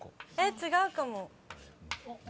違うかも。